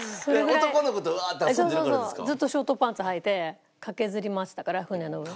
ずっとショートパンツはいて駆けずり回ってたから船の上。